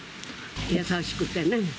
優しくてね。